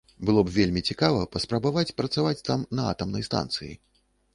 Было б вельмі цікава паспрабаваць працаваць там на атамнай станцыі.